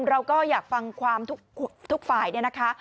เราก็อยากฟังความทุกฝ่ายเนี่ยนะคะ